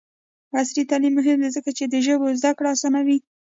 عصري تعلیم مهم دی ځکه چې د ژبو زدکړه اسانوي.